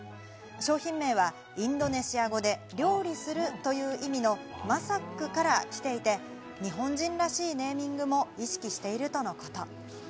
商品名はインドネシア語で料理するという意味の「Ｍａｓａｋ」から来ていて、日本人らしいネーミングも意識しているとのこと。